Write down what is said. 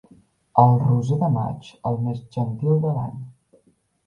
El roser de maig, el més gentil de l'any.